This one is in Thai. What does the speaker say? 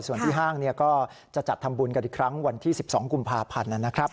ส่วนที่ห้างก็จะจัดทำบุญกันอีกครั้งวันที่๑๒กุมภาพันธ์นะครับ